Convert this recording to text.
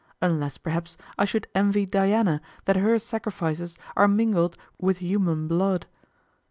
Unless perhaps I should envy Diana that her sacrifices are mingled with human blood.